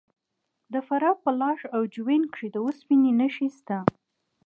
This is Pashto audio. د فراه په لاش او جوین کې د وسپنې نښې شته.